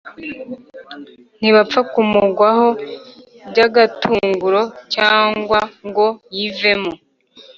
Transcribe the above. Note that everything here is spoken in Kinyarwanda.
ntibapfa kumugwaho by’agatunguro cyangwa ngo yivemo.